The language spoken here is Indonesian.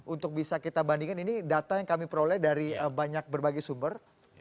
untuk bisa kita bandingkan ini data yang kami peroleh dari banyak berbagai sumber